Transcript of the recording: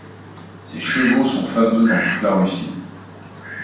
Ses chevaux sont fameux dans toute la Russie.